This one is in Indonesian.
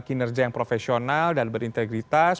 kinerja yang profesional dan berintegritas